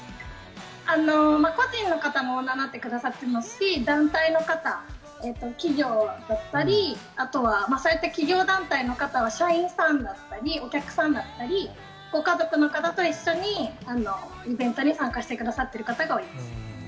個人の方もオーナーになってくれてますし、団体の方、企業だったり、企業団体の方は社員さんだったり、お客さんだったり、ご家族の方と一緒にイベントに参加してくださっている方が多いです。